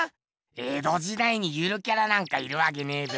江戸時代にゆるキャラなんかいるわけねえべ。